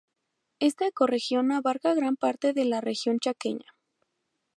Esta ecorregión abarca gran parte de la región chaqueña.